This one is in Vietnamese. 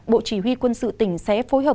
bộ chỉ huy quân sự tỉnh sẽ phối hợp